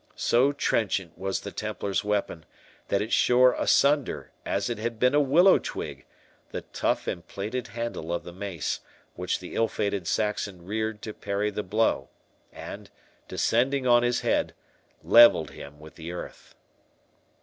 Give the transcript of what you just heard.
So trenchant was the Templar's weapon, that it shore asunder, as it had been a willow twig, the tough and plaited handle of the mace, which the ill fated Saxon reared to parry the blow, and, descending on his head, levelled him with the earth.